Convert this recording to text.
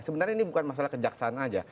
sebenarnya ini bukan masalah kejaksaan aja